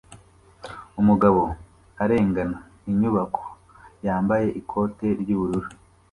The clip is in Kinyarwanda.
Umugabo arengana inyubako yambaye ikote ry'ubururu